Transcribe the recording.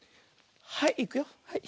はいいくよ。